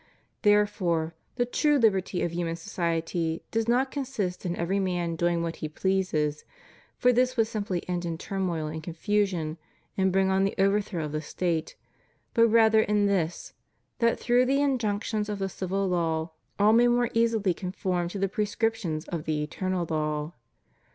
There fore, the true liberty of human society does not consist in every man doing what he pleases, for this would simply end in turmoil and confusion, and bring on the overthrow of the State; but rather in this, that through the injunc tions of the civil law all may more easily conform to the prescriptions of the eternal law.